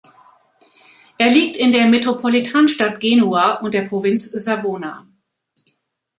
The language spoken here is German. Er liegt in der Metropolitanstadt Genua und der Provinz Savona.